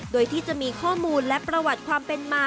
โดยที่จะมีข้อมูลและประวัติความเป็นมา